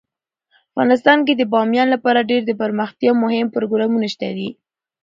افغانستان کې د بامیان لپاره ډیر دپرمختیا مهم پروګرامونه شته دي.